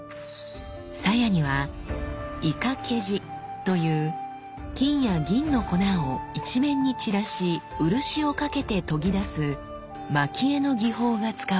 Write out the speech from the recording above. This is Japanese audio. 鞘には沃懸地という金や銀の粉を一面に散らし漆をかけて研ぎ出す蒔絵の技法が使われています。